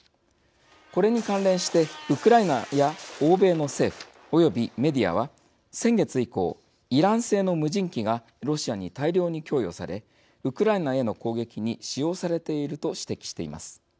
これに関連してウクライナや欧米の政府、及びメディアは先月以降、イラン製の無人機がロシアに大量に供与されウクライナへの攻撃に使用されていると指摘しています。